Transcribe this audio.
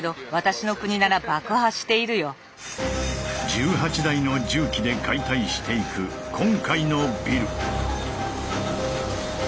１８台の重機で解体していく今回のビル。